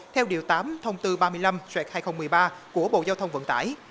theo điều tám thông tư ba mươi năm sạc hai nghìn một mươi ba của bộ giao thông vận tải